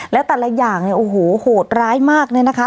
และแต่ละอย่างเนี่ยโอ้โหโหดร้ายมากเลยนะคะ